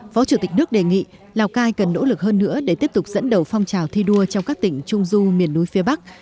phó chủ tịch nước đề nghị lào cai cần nỗ lực hơn nữa để tiếp tục dẫn đầu phong trào thi đua trong các tỉnh trung du miền núi phía bắc